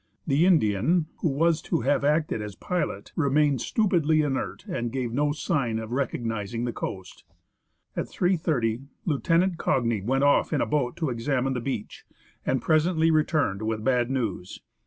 The Indian, who was to have acted as pilot, remained stupidly inert, and gave no sign of recognising the coast. At 3.30 Lieutenant Cagni went off in a boat to examine the beach, and presently returned with bad news.